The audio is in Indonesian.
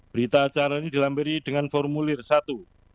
berita acara ini dilampiri dengan formulir satu